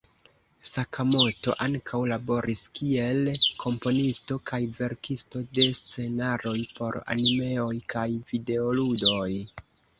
Sakamoto ankaŭ laboris kiel komponisto kaj verkisto de scenaroj por animeoj kaj videoludoj.